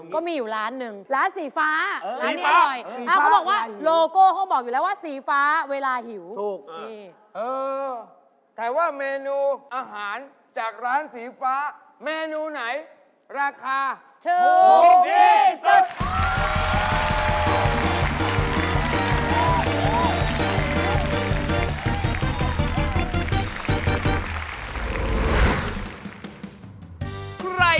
ก็มีอยู่ร้านหนึ่งร้านสีฟ้า